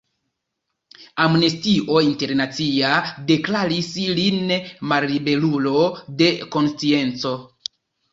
Amnestio Internacia deklaris lin malliberulo de konscienco.